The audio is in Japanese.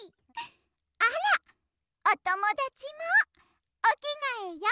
あらおともだちもおきがえよ。